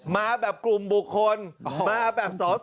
มาแบบกลุ่มบุคคลมาแบบสอสอ